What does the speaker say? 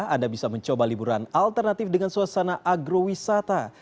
anda bisa mencoba liburan alternatif dengan suasana agrowisata